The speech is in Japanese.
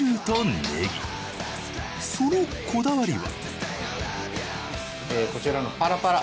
そのこだわりは。